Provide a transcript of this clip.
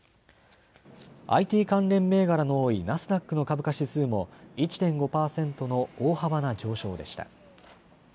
ＩＴ関連銘柄の多いナスダックの株価指数も１．５％の大幅な上昇でした。